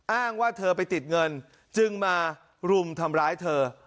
อ้างว่าเธอไปติดเงินจึงมารุมทำร้ายเธอ